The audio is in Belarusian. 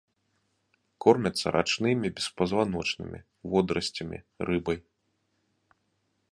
Кормяцца рачнымі беспазваночнымі, водарасцямі, рыбай.